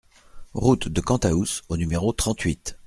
Route de Cantaous au numéro trente-huit